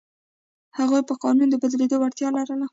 هغوی په قانون د بدلېدو وړتیا لرله.